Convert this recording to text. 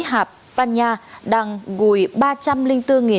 hạp pan nha đang gùi